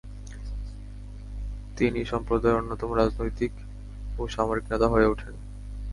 তিনি সম্প্রদায়ের অন্যতম রাজনৈতিক ও সামরিক নেতা হয়ে ওঠেন।